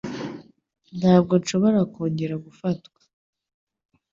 Ntabwo nshobora kongera gufatwa